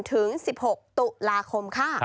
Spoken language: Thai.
ถึง๑๖ตุลาคม